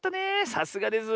さすがです。